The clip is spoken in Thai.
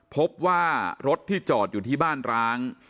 พบว่ารถที่จอดอยู่ที่บ้านร้าง